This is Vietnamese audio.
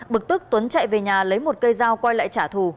bực tức tuấn chạy về nhà lấy một cây dao quay lại trả thù